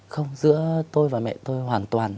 không giữa tôi và mẹ tôi hoàn toàn